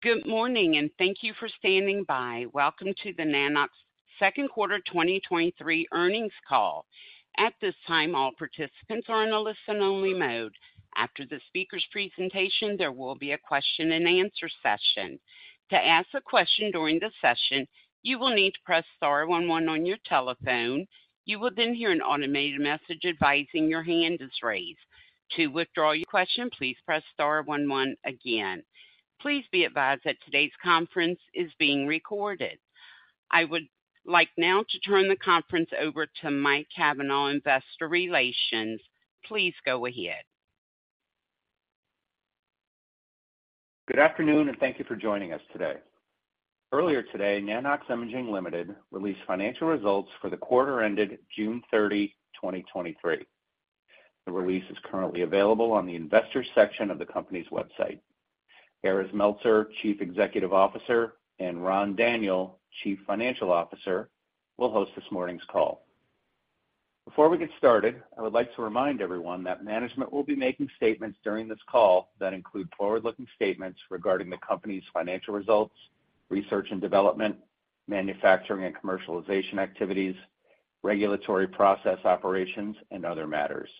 Good morning, thank you for standing by. Welcome to the Nanox second quarter 2023 earnings call. At this time, all participants are in a listen-only mode. After the speaker's presentation, there will be a question-and-answer session. To ask a question during the session, you will need to press star one one on your telephone. You will hear an automated message advising your hand is raised. To withdraw your question, please press star one one again. Please be advised that today's conference is being recorded. I would like now to turn the conference over to Mike Cavanaugh, Investor Relations. Please go ahead. Good afternoon, thank you for joining us today. Earlier today, Nano-X Imaging Ltd released financial results for the quarter ended June 30, 2023. The release is currently available on the investors section of the company's website. Erez Meltzer, Chief Executive Officer, and Ran Daniel, Chief Financial Officer, will host this morning's call. Before we get started, I would like to remind everyone that management will be making statements during this call that include forward-looking statements regarding the company's financial results, research and development, manufacturing and commercialization activities, regulatory process operations, and other matters.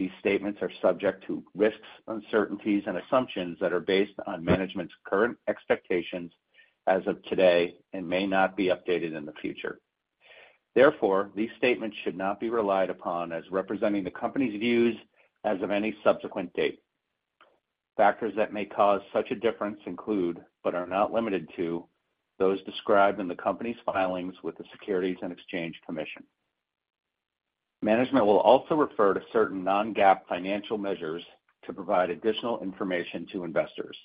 These statements are subject to risks, uncertainties, and assumptions that are based on management's current expectations as of today and may not be updated in the future. Therefore, these statements should not be relied upon as representing the company's views as of any subsequent date. Factors that may cause such a difference include, but are not limited to, those described in the company's filings with the Securities and Exchange Commission. Management will also refer to certain non-GAAP financial measures to provide additional information to investors.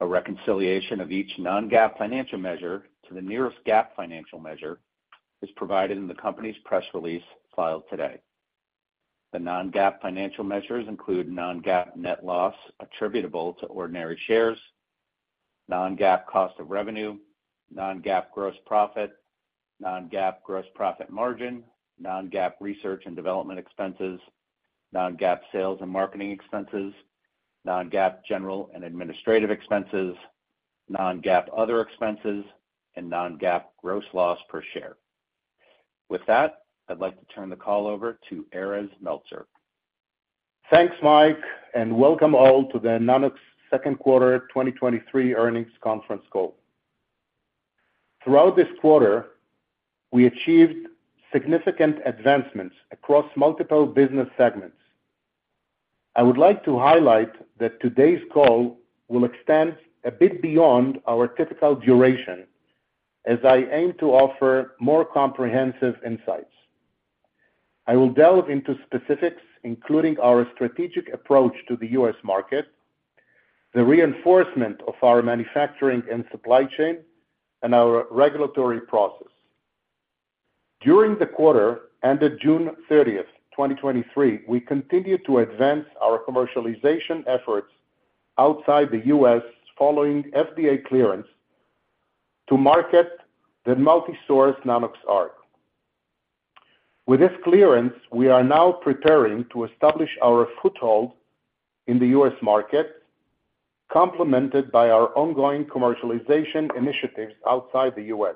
A reconciliation of each non-GAAP financial measure to the nearest GAAP financial measure is provided in the company's press release filed today. The non-GAAP financial measures include non-GAAP net loss attributable to ordinary shares, non-GAAP cost of revenue, non-GAAP gross profit, non-GAAP gross profit margin, non-GAAP research and development expenses, non-GAAP sales and marketing expenses, non-GAAP general and administrative expenses, non-GAAP other expenses, and non-GAAP gross loss per share. With that, I'd like to turn the call over to Erez Meltzer. Thanks, Mike, welcome all to the Nanox second quarter 2023 earnings conference call. Throughout this quarter, we achieved significant advancements across multiple business segments. I would like to highlight that today's call will extend a bit beyond our typical duration as I aim to offer more comprehensive insights. I will delve into specifics, including our strategic approach to the U.S. market, the reinforcement of our manufacturing and supply chain, and our regulatory process. During the quarter ended June 30, 2023, we continued to advance our commercialization efforts outside the U.S. following FDA clearance to market the multi-source Nanox.ARC. With this clearance, we are now preparing to establish our foothold in the U.S. market, complemented by our ongoing commercialization initiatives outside the U.S.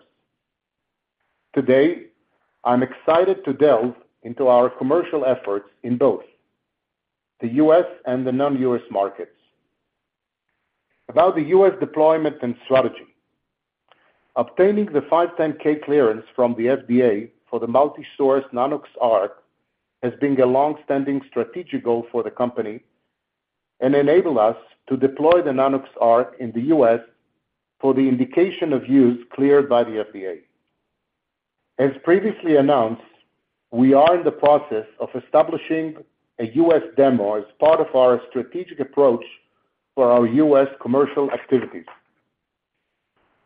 Today, I'm excited to delve into our commercial efforts in both the U.S. and the non-U.S. markets. About the U.S. deployment and strategy. Obtaining the 510(k) clearance from the FDA for the multi-source Nanox.ARC has been a long-standing strategic goal for the company and enabled us to deploy the Nanox.ARC in the U.S. for the indication of use cleared by the FDA. As previously announced, we are in the process of establishing a U.S. demo as part of our strategic approach for our U.S. commercial activities.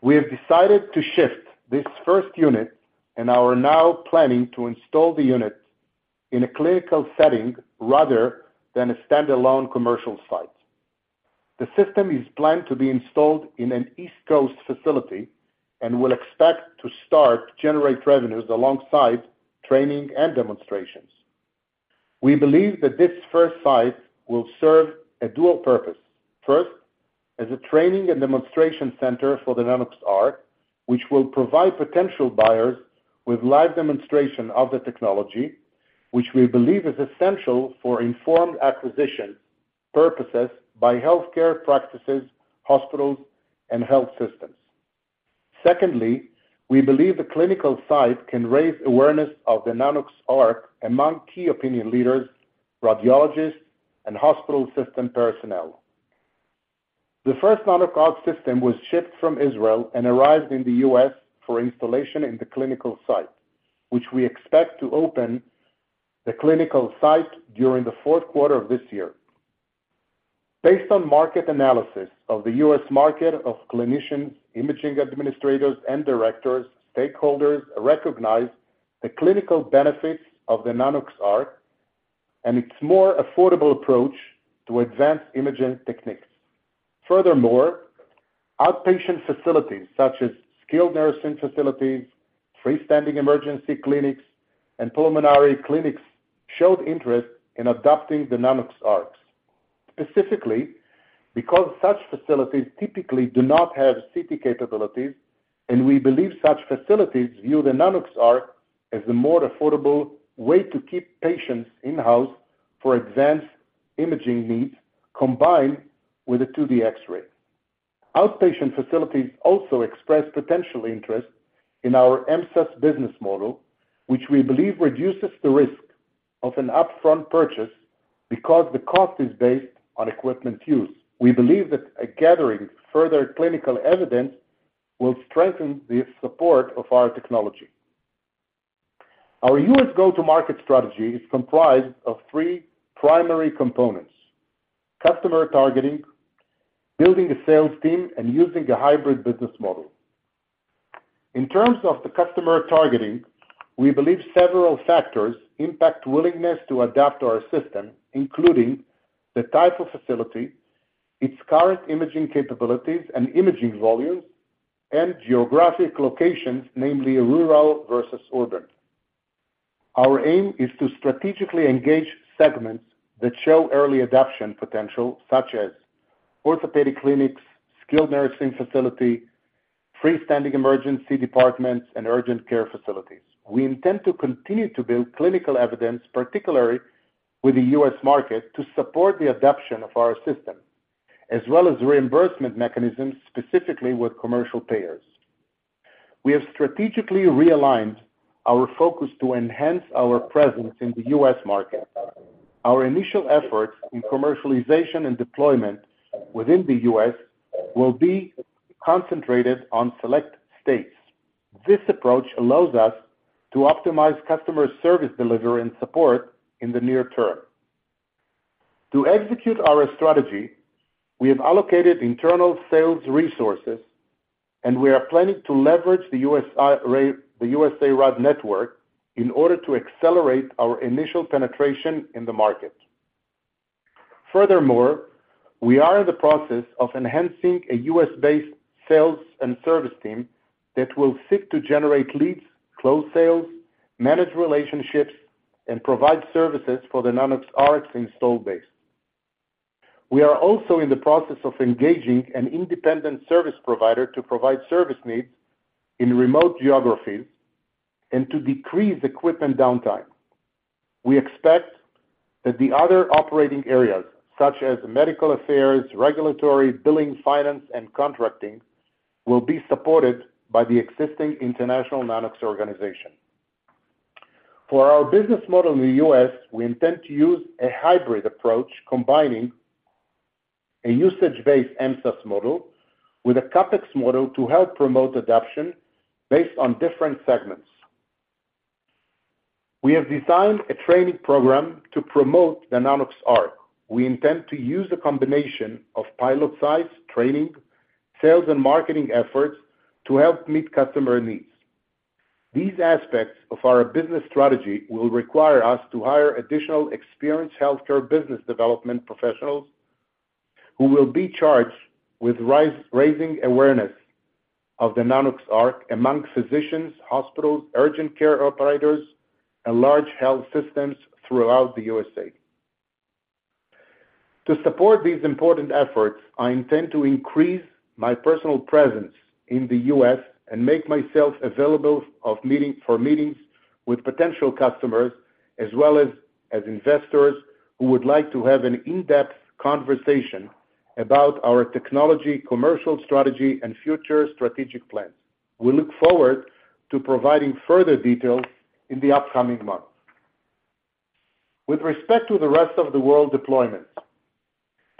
We have decided to shift this first unit and are now planning to install the unit in a clinical setting rather than a standalone commercial site. The system is planned to be installed in an East Coast facility and will expect to start generate revenues alongside training and demonstrations. We believe that this first site will serve a dual purpose. First, as a training and demonstration center for the Nanox.ARC, which will provide potential buyers with live demonstration of the technology, which we believe is essential for informed acquisition purposes by healthcare practices, hospitals, and health systems. Secondly, we believe the clinical site can raise awareness of the Nanox.ARC among key opinion leaders, radiologists, and hospital system personnel. The first Nanox.ARC system was shipped from Israel and arrived in the U.S. for installation in the clinical site, which we expect to open the clinical site during the fourth quarter of this year. Based on market analysis of the U.S. market of clinicians, imaging administrators and directors, stakeholders recognize the clinical benefits of the Nanox.ARC and its more affordable approach to advanced imaging techniques. Furthermore, outpatient facilities such as skilled nursing facilities-... freestanding emergency clinics and pulmonary clinics showed interest in adopting the Nanox.ARCs, specifically because such facilities typically do not have CT capabilities, and we believe such facilities view the Nanox.ARC as a more affordable way to keep patients in-house for advanced imaging needs, combined with a 2D X-ray. Outpatient facilities also expressed potential interest in our MSaaS business model, which we believe reduces the risk of an upfront purchase because the cost is based on equipment use. We believe that a gathering further clinical evidence will strengthen the support of our technology. Our U.S. go-to-market strategy is comprised of three primary components: customer targeting, building a sales team, and using a hybrid business model. In terms of the customer targeting, we believe several factors impact willingness to adapt our system, including the type of facility, its current imaging capabilities and imaging volumes, and geographic locations, namely rural versus urban. Our aim is to strategically engage segments that show early adoption potential, such as orthopedic clinics, skilled nursing facility, freestanding emergency departments, and urgent care facilities. We intend to continue to build clinical evidence, particularly with the U.S. market, to support the adoption of our system, as well as reimbursement mechanisms, specifically with commercial payers. We have strategically realigned our focus to enhance our presence in the U.S. market. Our initial efforts in commercialization and deployment within the U.S. will be concentrated on select states. This approach allows us to optimize customer service delivery and support in the near term. To execute our strategy, we have allocated internal sales resources. We are planning to leverage the USARAD network in order to accelerate our initial penetration in the market. Furthermore, we are in the process of enhancing a U.S.-based sales and service team that will seek to generate leads, close sales, manage relationships, and provide services for the Nanox.ARC installed base. We are also in the process of engaging an independent service provider to provide service needs in remote geographies and to decrease equipment downtime. We expect that the other operating areas, such as medical affairs, regulatory, billing, finance, and contracting, will be supported by the existing international Nanox organization. For our business model in the U.S., we intend to use a hybrid approach, combining a usage-based MSaaS model with a CapEx model to help promote adoption based on different segments. We have designed a training program to promote the Nanox.ARC. We intend to use a combination of pilot sites, training, sales, and marketing efforts to help meet customer needs. These aspects of our business strategy will require us to hire additional experienced healthcare business development professionals, who will be charged with raising awareness of the Nanox.ARC among physicians, hospitals, urgent care operators, and large health systems throughout the U.S.A. To support these important efforts, I intend to increase my personal presence in the U.S. and make myself available for meetings with potential customers, as well as, as investors who would like to have an in-depth conversation about our technology, commercial strategy, and future strategic plans. We look forward to providing further details in the upcoming months. With respect to the rest of the world deployment,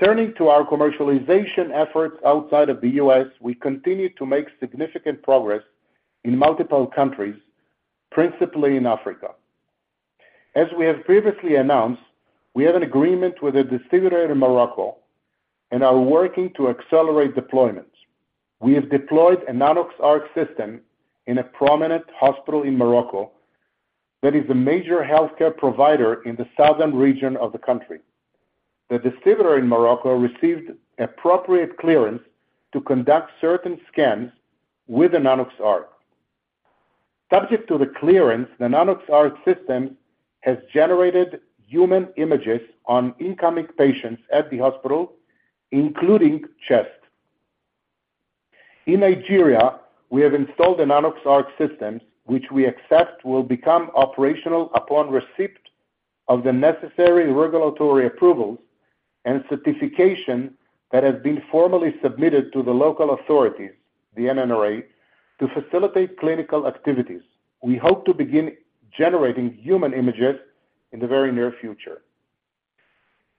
turning to our commercialization efforts outside of the U.S., we continue to make significant progress in multiple countries, principally in Africa. As we have previously announced, we have an agreement with a distributor in Morocco and are working to accelerate deployment. We have deployed a Nanox.ARC system in a prominent hospital in Morocco that is a major healthcare provider in the southern region of the country. The distributor in Morocco received appropriate clearance to conduct certain scans with the Nanox.ARC. Subject to the clearance, the Nanox.ARC system has generated human images on incoming patients at the hospital, including chest. In Nigeria, we have installed the Nanox.ARC systems, which we accept will become operational upon receipt of the necessary regulatory approvals and certification that has been formally submitted to the local authorities, the NNRA, to facilitate clinical activities. We hope to begin generating human images in the very near future.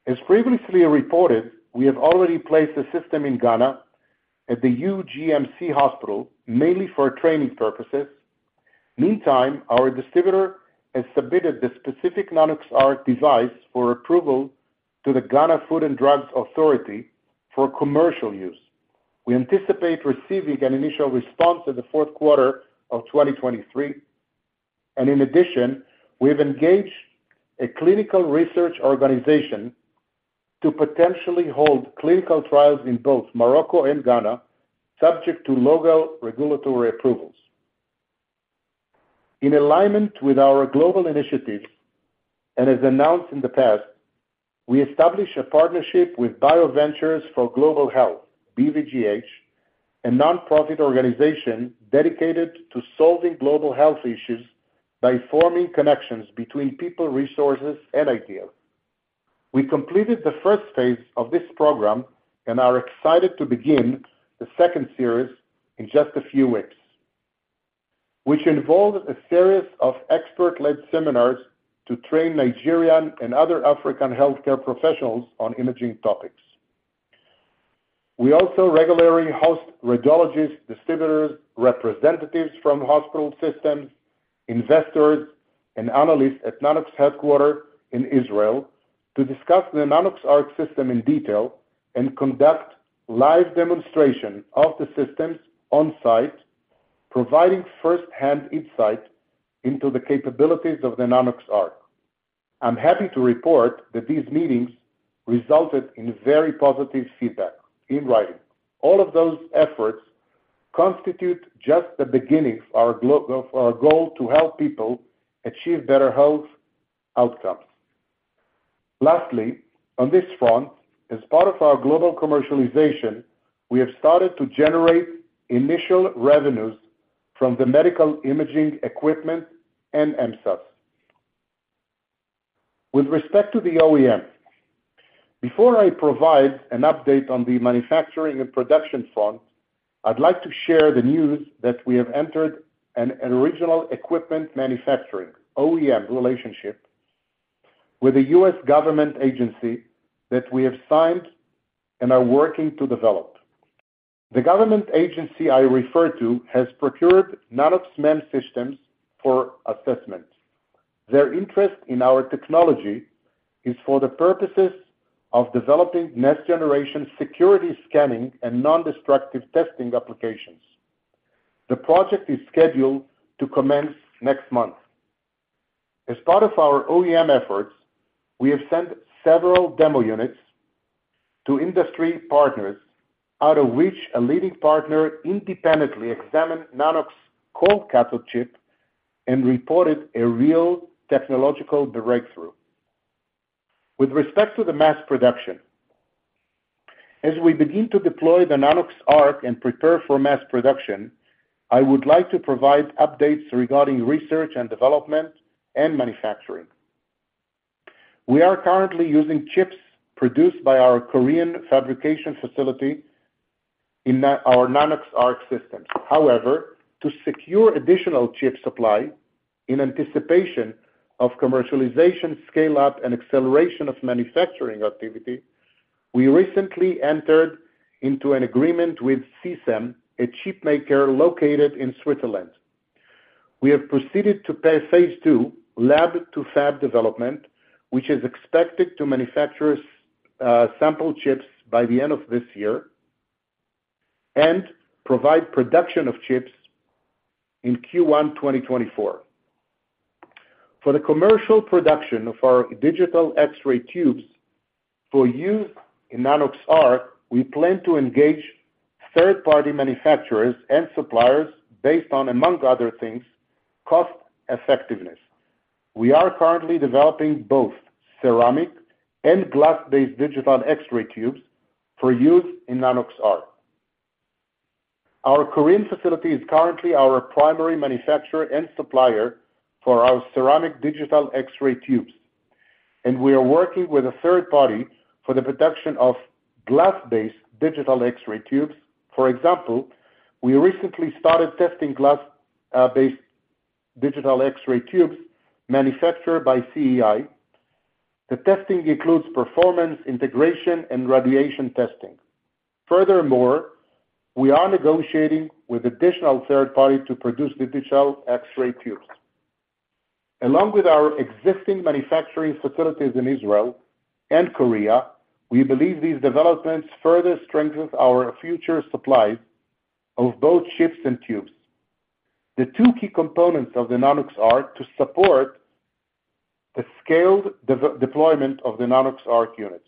As previously reported, we have already placed a system in Ghana at the UGMC Hospital, mainly for training purposes. Meantime, our distributor has submitted the specific Nanox.ARC device for approval to the Ghana Food and Drugs Authority for commercial use. We anticipate receiving an initial response in the fourth quarter of 2023. In addition, we've engaged a clinical research organization to potentially hold clinical trials in both Morocco and Ghana, subject to local regulatory approvals. In alignment with our global initiatives, and as announced in the past, we established a partnership with BIO Ventures for Global Health, BVGH, a nonprofit organization dedicated to solving global health issues by forming connections between people, resources, and ideas. We completed the first phase of this program and are excited to begin the second series in just a few weeks, which involved a series of expert-led seminars to train Nigerian and other African healthcare professionals on imaging topics. We also regularly host radiologists, distributors, representatives from hospital systems, investors, and analysts at Nanox headquarters in Israel to discuss the Nanox.ARC system in detail and conduct live demonstrations of the systems on-site, providing first-hand insight into the capabilities of the Nanox.ARC. I'm happy to report that these meetings resulted in very positive feedback in writing. All of those efforts constitute just the beginning of our of our goal to help people achieve better health outcomes. Lastly, on this front, as part of our global commercialization, we have started to generate initial revenues from the medical imaging equipment and MSaaS. With respect to the OEM, before I provide an update on the manufacturing and production front, I'd like to share the news that we have entered an original equipment manufacturing, OEM, relationship with a U.S. government agency that we have signed and are working to develop. The government agency I refer to has procured Nanox MEMS systems for assessment. Their interest in our technology is for the purposes of developing next-generation security scanning and non-destructive testing applications. The project is scheduled to commence next month. As part of our OEM efforts, we have sent several demo units to industry partners, out of which a leading partner independently examined Nanox cold cathode chip and reported a real technological breakthrough. With respect to the mass production, as we begin to deploy the Nanox.ARC and prepare for mass production, I would like to provide updates regarding research and development and manufacturing. We are currently using chips produced by our Korean fabrication facility in our Nanox.ARC system. To secure additional chip supply in anticipation of commercialization, scale-up, and acceleration of manufacturing activity, we recently entered into an agreement with CSEM, a chipmaker located in Switzerland. We have proceeded to phase II, lab to fab development, which is expected to manufacture sample chips by the end of this year and provide production of chips in Q1 2024. For the commercial production of our digital X-ray tubes for use in Nanox.ARC, we plan to engage third-party manufacturers and suppliers based on, among other things, cost effectiveness. We are currently developing both ceramic and glass-based digital X-ray tubes for use in Nanox.ARC. Our Korean facility is currently our primary manufacturer and supplier for our ceramic digital X-ray tubes, and we are working with a third party for the production of glass-based digital X-ray tubes. For example, we recently started testing glass based digital X-ray tubes manufactured by CEI. The testing includes performance, integration, and radiation testing. Furthermore, we are negotiating with additional third party to produce digital X-ray tubes. Along with our existing manufacturing facilities in Israel and Korea, we believe these developments further strengthens our future supply of both chips and tubes, the two key components of the Nanox.ARC, to support the scaled deployment of the Nanox.ARC units.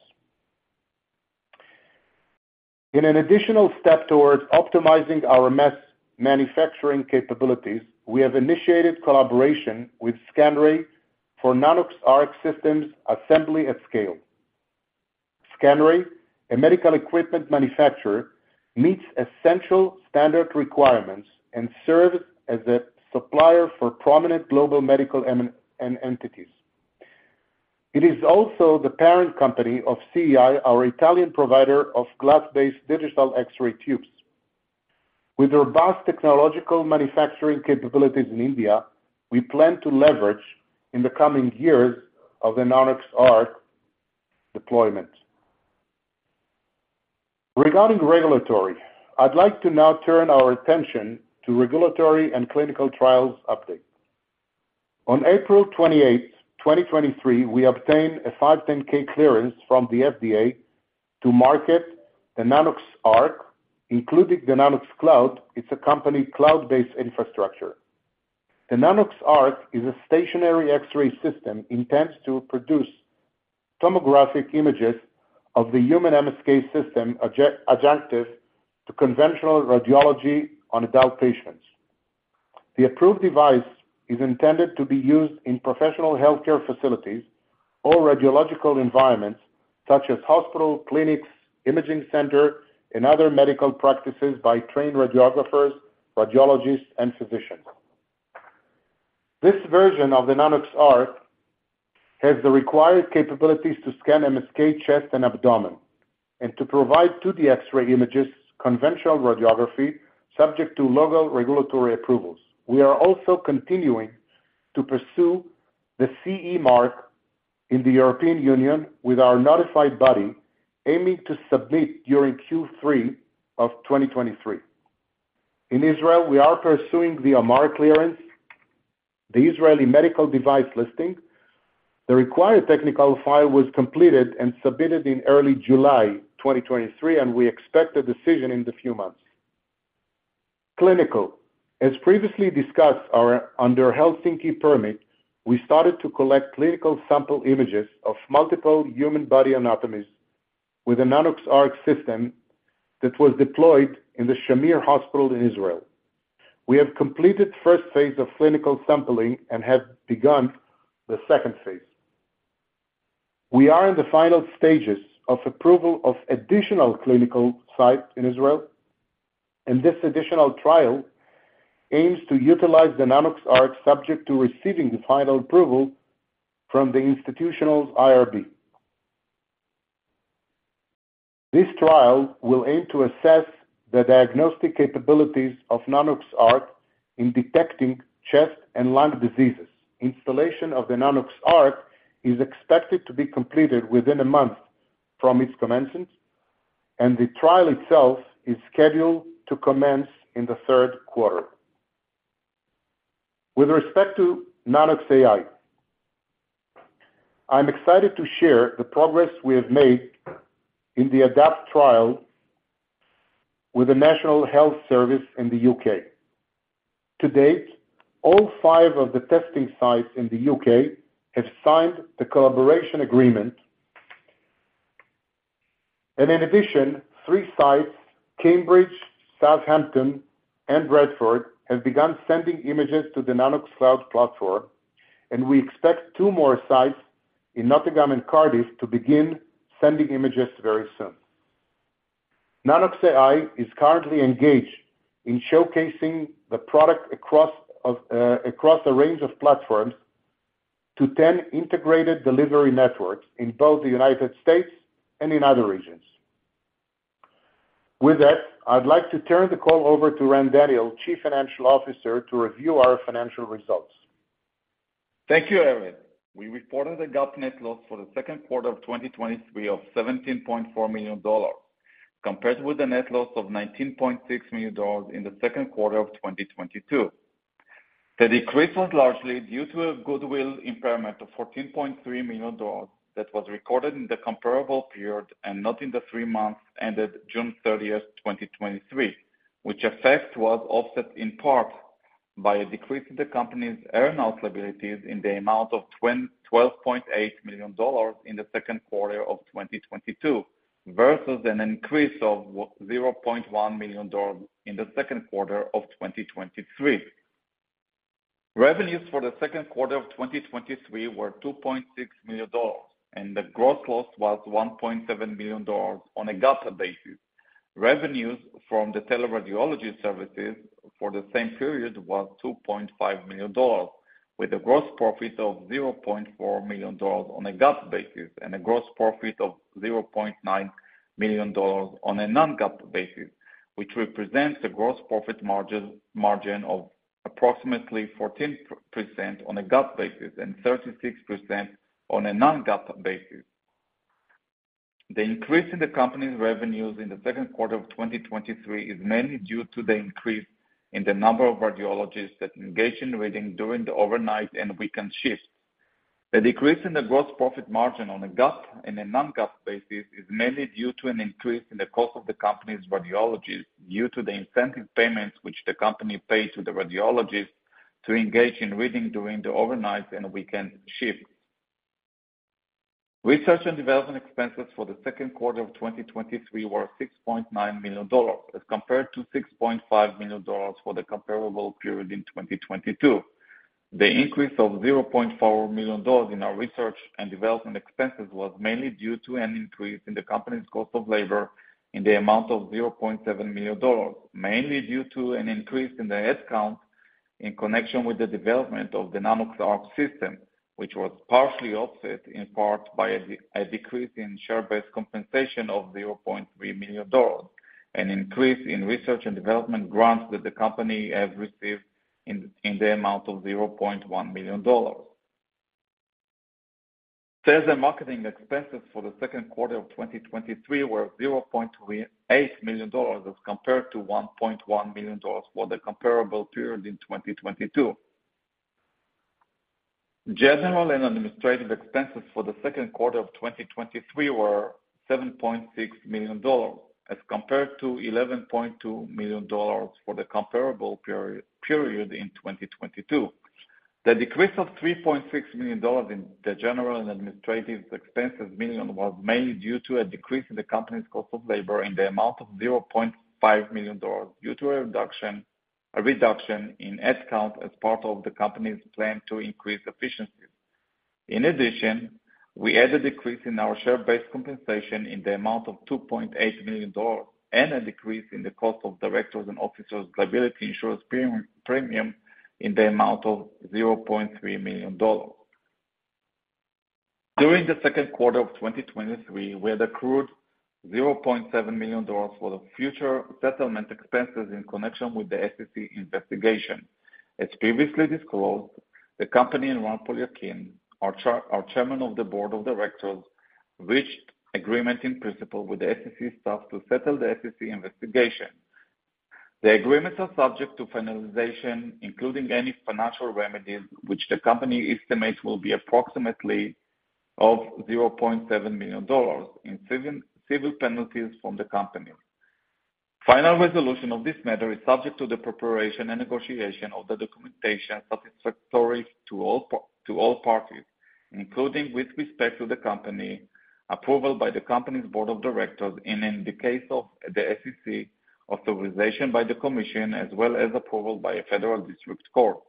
In an additional step towards optimizing our mass manufacturing capabilities, we have initiated collaboration with Skanray for Nanox.ARC systems assembly at scale. Skanray, a medical equipment manufacturer, meets essential standard requirements and serves as a supplier for prominent global medical and entities. It is also the parent company of CEI, our Italian provider of glass-based digital X-ray tubes. With their vast technological manufacturing capabilities in India, we plan to leverage in the coming years of the Nanox.ARC deployment. Regarding regulatory, I'd like to now turn our attention to regulatory and clinical trials update. On April 28th, 2023, we obtained a 510(k) clearance from the FDA to market the Nanox.ARC, including the Nanox.CLOUD, it's a company cloud-based infrastructure. The Nanox.ARC is a stationary X-ray system intends to produce tomographic images of the human MSK system, adjunctive to conventional radiology on adult patients. The approved device is intended to be used in professional healthcare facilities or radiological environments, such as hospital, clinics, imaging center, and other medical practices by trained radiographers, radiologists, and physicians. This version of the Nanox.ARC has the required capabilities to scan MSK, chest, and abdomen, and to provide 2D X-ray images, conventional radiography, subject to local regulatory approvals. We are also continuing to pursue the CE mark in the European Union with our notified body, aiming to submit during Q3 of 2023. In Israel, we are pursuing the AMAR clearance, the Israeli medical device listing. The required technical file was completed and submitted in early July 2023, and we expect a decision in the few months. Clinical. As previously discussed, under Helsinki permit, we started to collect clinical sample images of multiple human body anatomies with a Nanox.ARC system that was deployed in the Shamir Medical Center in Israel. We have completed first phase of clinical sampling and have begun the second phase. We are in the final stages of approval of additional clinical sites in Israel. This additional trial aims to utilize the Nanox.ARC, subject to receiving the final approval from the institutional IRB. This trial will aim to assess the diagnostic capabilities of Nanox.ARC in detecting chest and lung diseases. Installation of the Nanox.ARC is expected to be completed within a month from its commencement. The trial itself is scheduled to commence in the third quarter. With respect to Nanox.AI, I'm excited to share the progress we have made in the ADOPT trial with the National Health Service in the U.K. To date, all five of the testing sites in the U.K. have signed the collaboration agreement. In addition, three sites, Cambridge, Southampton, and Bradford, have begun sending images to the Nanox.CLOUD platform, and we expect two more sites in Nottingham and Cardiff to begin sending images very soon. Nanox.AI is currently engaged in showcasing the product across a range of platforms to 10 integrated delivery networks in both the United States and in other regions. With that, I'd like to turn the call over to Ran Daniel, Chief Financial Officer, to review our financial results. Thank you, Erez. We reported a GAAP net loss for the second quarter of 2023 of $17.4 million, compared with a net loss of $19.6 million in the second quarter of 2022. The decrease was largely due to a goodwill impairment of $14.3 million that was recorded in the comparable period and not in the three months, ended June 30th, 2023, which effect was offset in part by a decrease in the company's earnout liabilities in the amount of $12.8 million in the second quarter of 2022, versus an increase of $0.1 million in the second quarter of 2023. Revenues for the second quarter of 2023 were $2.6 million, and the gross loss was $1.7 million on a GAAP basis. Revenues from the teleradiology services for the same period was $2.5 million, with a gross profit of $0.4 million on a GAAP basis and a gross profit of $0.9 million on a non-GAAP basis, which represents a gross profit margin of approximately 14% on a GAAP basis and 36% on a non-GAAP basis. The increase in the company's revenues in the second quarter of 2023 is mainly due to the increase in the number of radiologists that engage in reading during the overnight and weekend shifts. The decrease in the gross profit margin on a GAAP and a non-GAAP basis is mainly due to an increase in the cost of the company's radiologists due to the incentive payments, which the company pays to the radiologists to engage in reading during the overnight and weekend shifts. Research and development expenses for the second quarter of 2023 were $6.9 million, as compared to $6.5 million for the comparable period in 2022. The increase of $0.4 million in our research and development expenses was mainly due to an increase in the company's cost of labor in the amount of $0.7 million, mainly due to an increase in the headcount in connection with the development of the Nanox.ARC system, which was partially offset in part by a decrease in share-based compensation of $0.3 million, an increase in research and development grants that the company has received in the amount of $0.1 million. Sales and marketing expenses for the second quarter of 2023 were $0.8 million, as compared to $1.1 million for the comparable period in 2022. General and administrative expenses for the second quarter of 2023 were $7.6 million, as compared to $11.2 million for the comparable period in 2022. The decrease of $3.6 million in the general and administrative expenses was mainly due to a decrease in the company's cost of labor in the amount of $0.5 million, due to a reduction in headcount as part of the company's plan to increase efficiency. We had a decrease in our share-based compensation in the amount of $2.8 million, and a decrease in the cost of directors' and officers' liability insurance premium in the amount of $0.3 million. During the second quarter of 2023, we had accrued $0.7 million for the future settlement expenses in connection with the SEC investigation. The company and Ran Poliakine, our Chairman of the Board of Directors, reached agreement in principle with the SEC staff to settle the SEC investigation. The agreements are subject to finalization, including any financial remedies, which the company estimates will be approximately of $0.7 million in civil penalties from the company. Final resolution of this matter is subject to the preparation and negotiation of the documentation satisfactory to all parties, including, with respect to the company, approval by the company's board of directors, and in the case of the SEC, authorization by the commission, as well as approval by a federal district court.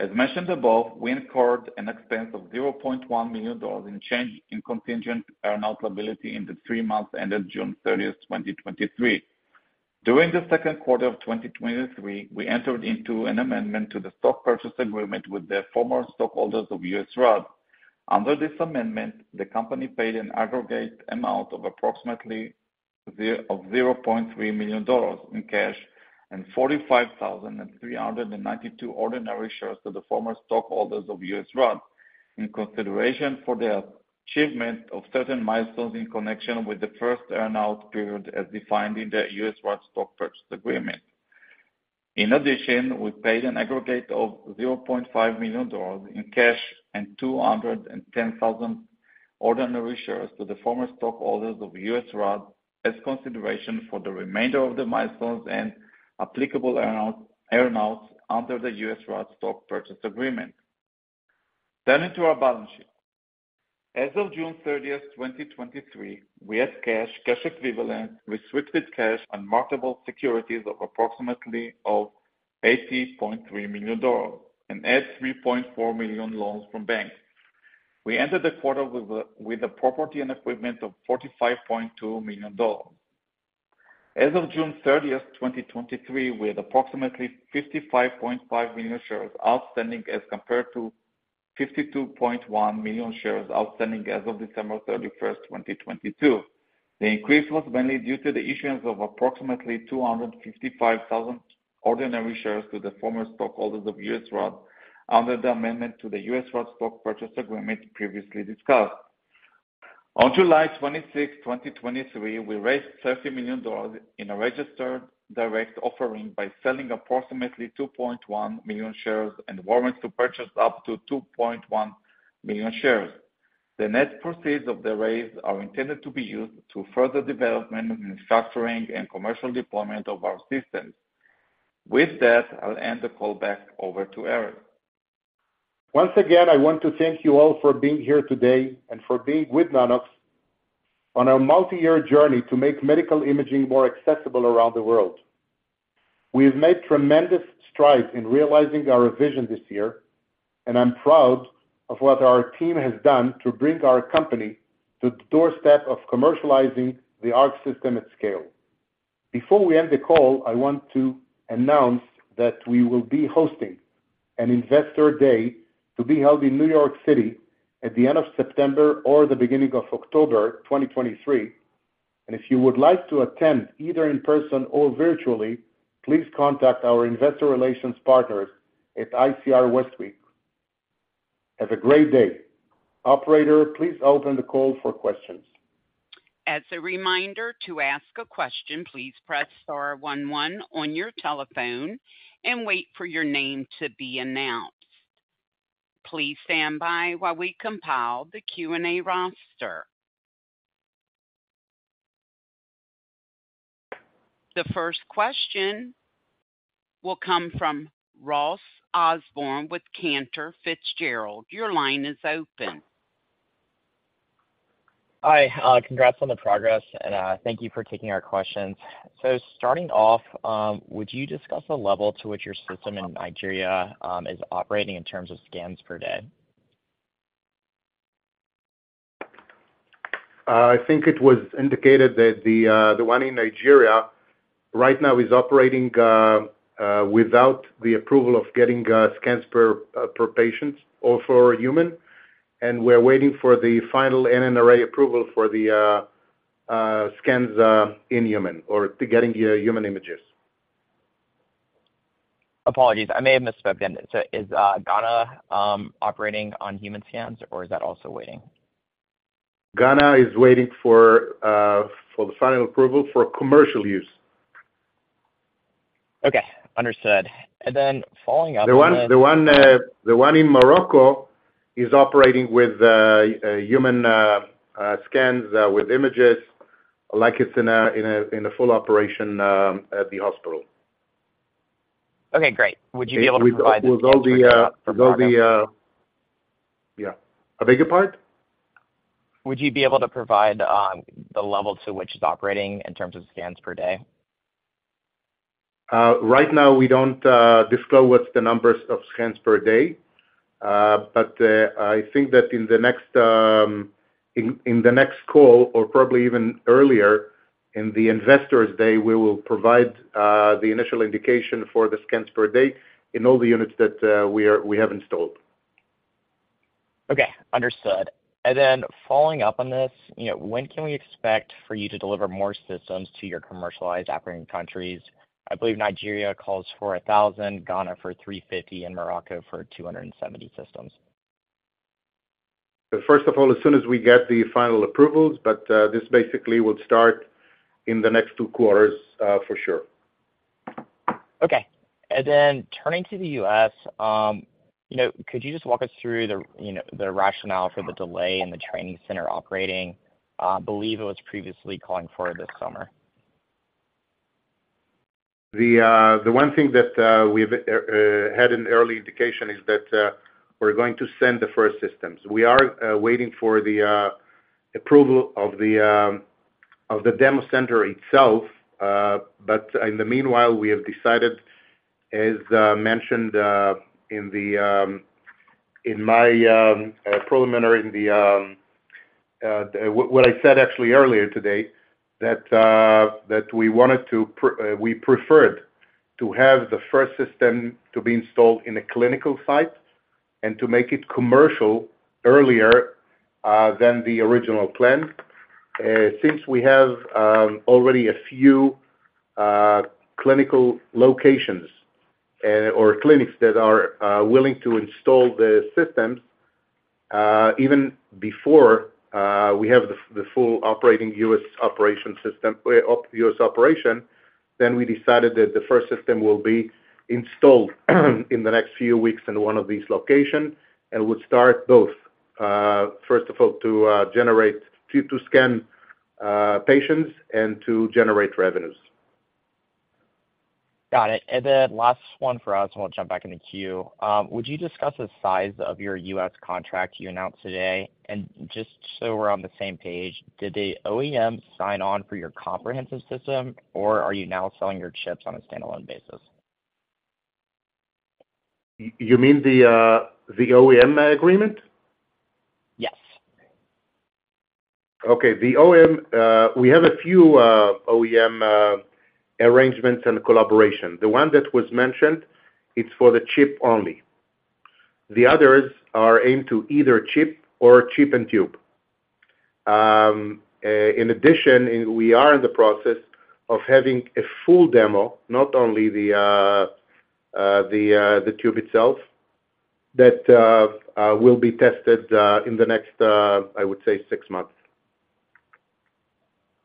As mentioned above, we incurred an expense of $0.1 million in change in contingent earnout liability in the three months ended June 30th, 2023. During the second quarter of 2023, we entered into an amendment to the stock purchase agreement with the former stockholders of USARAD. Under this amendment, the company paid an aggregate amount of approximately $0.3 million in cash and 45,392 ordinary shares to the former stockholders of USARAD, in consideration for the achievement of certain milestones in connection with the first earnout period, as defined in the USARAD stock purchase agreement. In addition, we paid an aggregate of $0.5 million in cash and 210,000 ordinary shares to the former stockholders of USARAD as consideration for the remainder of the milestones and applicable earnout, earnouts under the USARAD stock purchase agreement. Turning to our balance sheet. As of June 30, 2023, we had cash, cash equivalents, restricted cash, and marketable securities of approximately $80.3 million, and had $3.4 million loans from banks. We entered the quarter with a property and equipment of $45.2 million. As of June 30, 2023, we had approximately 55.5 million shares outstanding, as compared to 52.1 million shares outstanding as of December 31, 2022. The increase was mainly due to the issuance of approximately 255,000 ordinary shares to the former stockholders of USARAD under the amendment to the USARAD stock purchase agreement previously discussed. On July 26, 2023, we raised $30 million in a registered direct offering by selling approximately 2.1 million shares and warrants to purchase up to 2.1 million shares. The net proceeds of the raise are intended to be used to further development, manufacturing, and commercial deployment of our systems. With that, I'll hand the call back over to Erez. Once again, I want to thank you all for being here today and for being with Nanox on our multi-year journey to make medical imaging more accessible around the world. We have made tremendous strides in realizing our vision this year, and I'm proud of what our team has done to bring our company to the doorstep of commercializing the ARC system at scale. Before we end the call, I want to announce that we will be hosting an Investor Day to be held in New York City at the end of September or the beginning of October 2023. If you would like to attend, either in person or virtually, please contact our investor relations partners at ICR Westwicke. Have a great day. Operator, please open the call for questions. As a reminder, to ask a question, please press star one one on your telephone and wait for your name to be announced. Please stand by while we compile the Q&A roster. The first question will come from Ross Osborn with Cantor Fitzgerald. Your line is open. Hi, congrats on the progress, and thank you for taking our questions. Starting off, would you discuss the level to which your system in Nigeria is operating in terms of scans per day? I think it was indicated that the, the one in Nigeria right now is operating, without the approval of getting, scans per, per patients or for human, and we're waiting for the final NNRA approval for the scans, in human or to getting the human images. Apologies, I may have misspoken. Is Ghana operating on human scans, or is that also waiting? Ghana is waiting for the final approval for commercial use. Okay, understood. Following up- The one, the one, the one in Morocco is operating with human scans, with images, like it's in a, in a, in a full operation, at the hospital. Okay, great. Would you be able to provide- With all the, with all the... Yeah. I beg your pardon? Would you be able to provide the level to which it's operating in terms of scans per day? Right now, we don't disclose what's the numbers of scans per day. I think that in the next call, or probably even earlier, in the Investor Day, we will provide the initial indication for the scans per day in all the units that we have installed. Okay, understood. Following up on this, you know, when can we expect for you to deliver more systems to your commercialized operating countries? I believe Nigeria calls for 1,000, Ghana for 350, and Morocco for 270 systems. First of all, as soon as we get the final approvals, but this basically will start in the next two quarters, for sure. Okay. Then turning to the U.S., you know, could you just walk us through the, you know, the rationale for the delay in the training center operating? I believe it was previously calling for this summer? The one thing that we've had an early indication is that we're going to send the first systems. We are waiting for the approval of the demo center itself. In the meanwhile, we have decided, as mentioned, in my preliminary in the what I said actually earlier today, that we preferred to have the first system to be installed in a clinical site and to make it commercial earlier than the original plan. Since we have already a few clinical locations or clinics that are willing to install the systems even before we have the full operating U.S. operation system U.S. operation, we decided that the first system will be installed in the next few weeks in one of these locations and would start both first of all to scan patients and to generate revenues. Got it. Then last one for us, and we'll jump back in the queue. Would you discuss the size of your U.S. contract you announced today? Just so we're on the same page, did the OEM sign on for your comprehensive system, or are you now selling your chips on a standalone basis? You mean the, the OEM agreement? Yes. Okay. The OEM, we have a few OEM arrangements and collaborations. The one that was mentioned, it's for the chip only. The others are aimed to either chip or chip and tube. In addition, we are in the process of having a full demo, not only the tube itself, that will be tested in the next I would say, six months.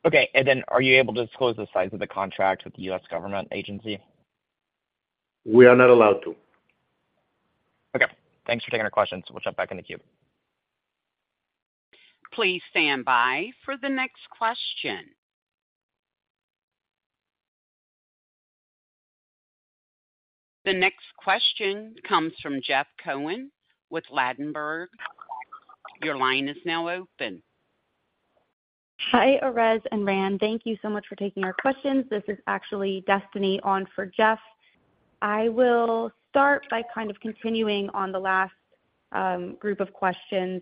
Okay. Then are you able to disclose the size of the contract with the U.S. government agency? We are not allowed to. Okay. Thanks for taking our questions. We'll jump back in the queue. Please stand by for the next question. The next question comes from Jeff Cohen with Ladenburg. Your line is now open. Hi, Erez and Ran. Thank you so much for taking our questions. This is actually Destiny on for Jeff. I will start by kind of continuing on the last group of questions.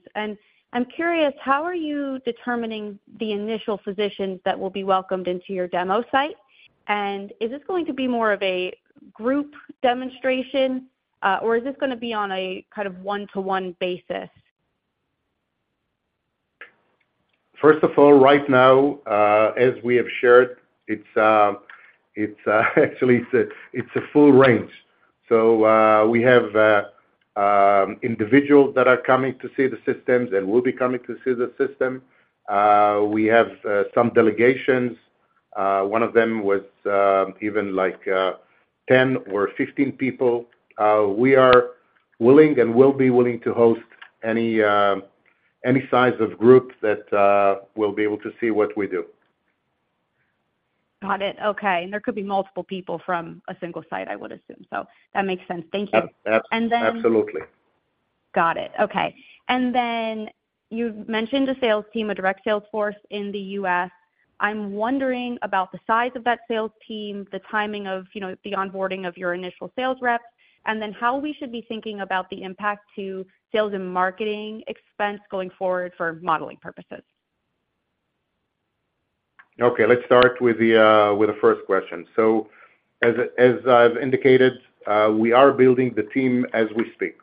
I'm curious, how are you determining the initial physicians that will be welcomed into your demo site? Is this gonna be more of a group demonstration, or is this gonna be on a kind of one-to-one basis? First of all, right now, as we have shared, it's, actually, it's a, it's a full range. We have individuals that are coming to see the systems and will be coming to see the system. We have some delegations. One of them was even like 10 or 15 people. We are willing and will be willing to host any any size of group that will be able to see what we do. Got it. Okay. There could be multiple people from a single site, I would assume, so that makes sense. Thank you. Ab- ab- And then- Absolutely. Got it. Okay. Then you've mentioned a sales team, a direct sales force in the U.S. I'm wondering about the size of that sales team, the timing of, you know, the onboarding of your initial sales reps, and then how we should be thinking about the impact to sales and marketing expense going forward for modeling purposes? Okay, let's start with the with the first question. As, as I've indicated, we are building the team as we speak.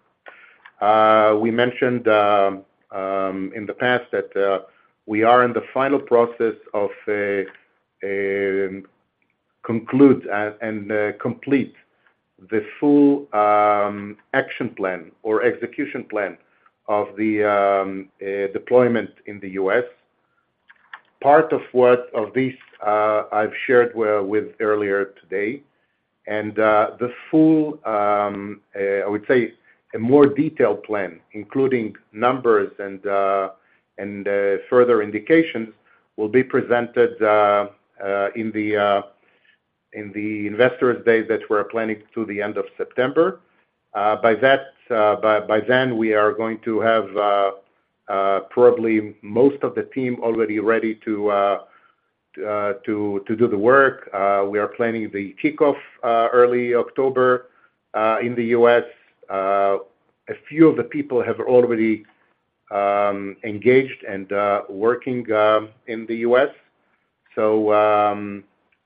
We mentioned in the past that we are in the final process of conclude and, and complete the full action plan or execution plan of the deployment in the U.S. Part of what, of this, I've shared with, with earlier today, and the full, I would say, a more detailed plan, including numbers and, and further indications, will be presented in the in the Investors Day that we're planning to the end of September. By that, by, by then, we are going to have probably most of the team already ready to to do the work. We are planning the kickoff early October in the U.S. A few of the people have already engaged and working in the U.S. So,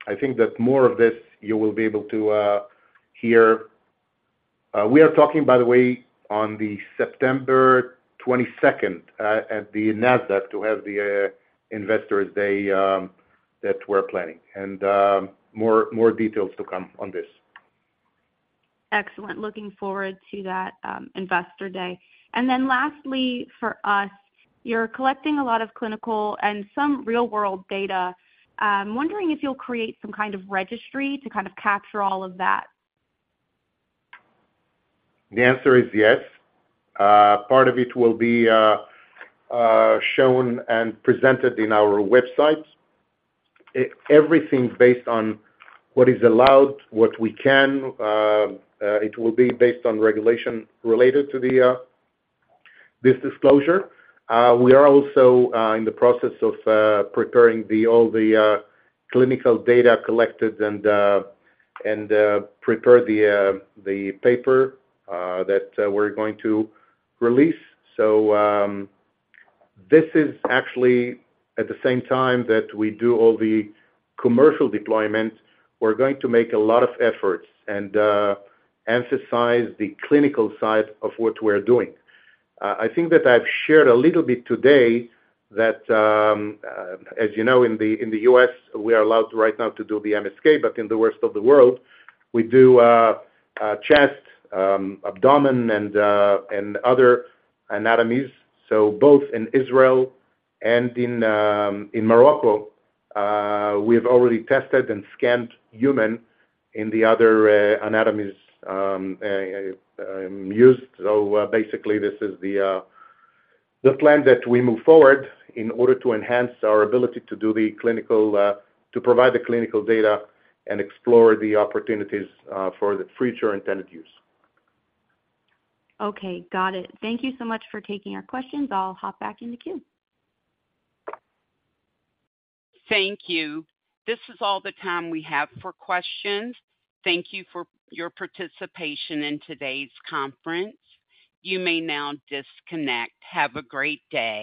I think that more of this you will be able to hear. We are talking, by the way, on the September 22nd at the Nasdaq, to have the Investors Day that we're planning, and more, more details to come on this. Excellent. Looking forward to that, Investor Day. Then lastly, for us, you're collecting a lot of clinical and some real-world data. Wondering if you'll create some kind of registry to kind of capture all of that? The answer is yes. Part of it will be shown and presented in our website. Everything based on what is allowed, what we can, it will be based on regulation related to the this disclosure. We are also in the process of preparing the, all the clinical data collected and and prepare the the paper that we're going to release. This is actually, at the same time that we do all the commercial deployment, we're going to make a lot of efforts and emphasize the clinical side of what we're doing. I think that I've shared a little bit today that, as you know, in the US, we are allowed right now to do the MSK, but in the rest of the world, we do chest, abdomen, and other anatomies. Both in Israel and in Morocco, we've already tested and scanned human in the other anatomies used. Basically, this is the plan that we move forward in order to enhance our ability to do the clinical, to provide the clinical data and explore the opportunities for the future intended use. Okay, got it. Thank you so much for taking our questions. I'll hop back in the queue. Thank you. This is all the time we have for questions. Thank you for your participation in today's conference. You may now disconnect. Have a great day.